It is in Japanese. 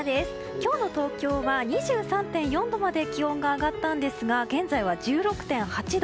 今日の東京は、２３．４度まで気温が上がったんですが現在は１６．８度。